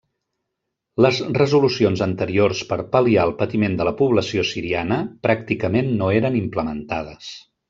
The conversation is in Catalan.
Les resolucions anteriors per pal·liar el patiment de la població siriana pràcticament no eren implementades.